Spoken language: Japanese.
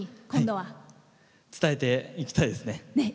伝えていきたいですね。